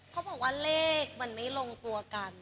เขาบอกว่าเลขมันไม่ลงตัวกัน